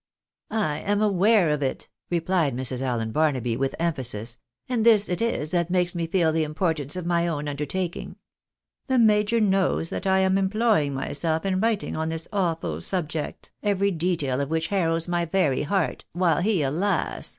" I am aware of it," replied Mrs. Allen Barnaby, with emphasis, " and this it is that makes me feel the importance of my own un dertaking. The majo» knows that I am employing myself in writing on this awful subject, every detail of which harrows my very heart, ■while he, alas